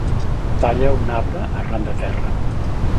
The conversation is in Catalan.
Talla un arbre arran de terra.